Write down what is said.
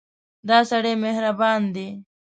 دا سړی مهربان دی.